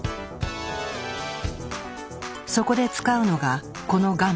そこで使うのがこの画面。